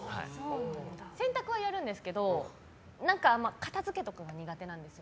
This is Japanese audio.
洗濯はやるんですけど片付けとかが苦手なんです。